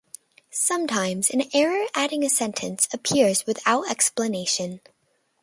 Sometimes, an error adding a sentence appears without explanation.